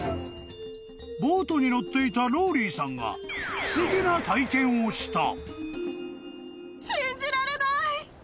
［ボートに乗っていたローリーさんが不思議な体験をした］